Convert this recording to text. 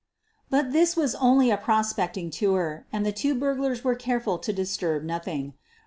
But this was only a prospecting tour and the two burglars were careful to disturb nothing.